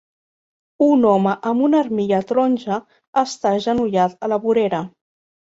Un home amb una armilla taronja està agenollat a la vorera